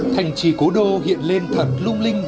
thành trì cố đô hiện lên thật lung linh